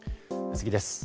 次です。